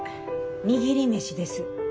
握り飯です。